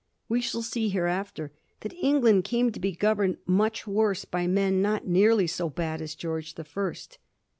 We shall see hereafter that England came to be governed much worse by men not nearly so bad as George the First.